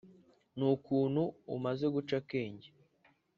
nukuntu umaze guca akenge”